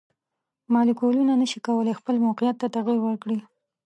مالیکولونه نشي کولی خپل موقیعت ته تغیر ورکړي.